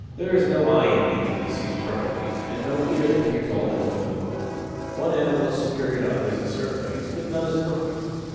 There is no eye in Nature that sees perfectly and no ear that hears all that is going on. One animal is superior to others in certain ways, but none is perfect.